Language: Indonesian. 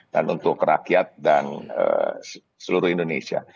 dan untuk rakyat dan seluruh indonesia